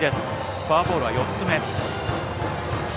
フォアボールは４つ目。